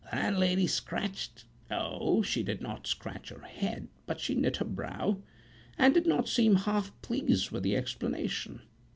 The landlady scratched no, she did not scratch her head, but she knit her brow, and did not seem half pleased with the explanation.